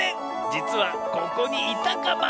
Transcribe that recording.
じつはここにいたカマ。